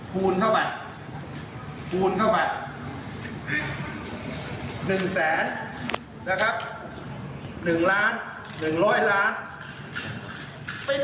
คูณเข้าไป๑แสน๑ล้าน๑๐๐ล้าน